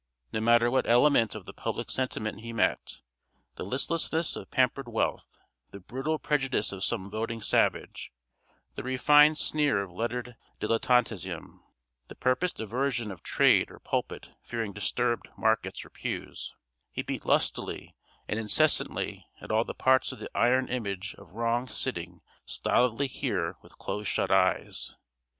No matter what element of the public sentiment he met the listlessness of pampered wealth; the brutal prejudice of some voting savage; the refined sneer of lettered dilettanteism; the purposed aversion of trade or pulpit fearing disturbed markets or pews; he beat lustily and incessantly at all the parts of the iron image of wrong sitting stolidly here with close shut eyes.